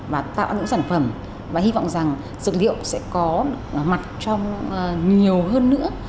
và tạo những sản phẩm và hy vọng rằng dược liệu sẽ có mặt trong nhiều hơn nữa